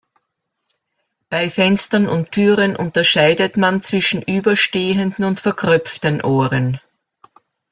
Bei Fenstern und Türen unterscheidet man zwischen überstehenden und verkröpften Ohren.